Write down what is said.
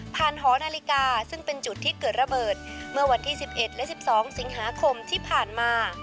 หอนาฬิกาซึ่งเป็นจุดที่เกิดระเบิดเมื่อวันที่๑๑และ๑๒สิงหาคมที่ผ่านมา